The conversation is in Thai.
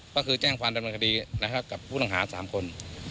ก็คือแจ้งความตำแหน่งคดีกับผู้ต่างหา๓คน